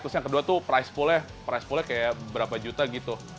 terus yang kedua tuh price pool nya kayak berapa juta gitu